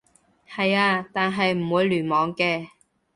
係啊，但係唔會聯網嘅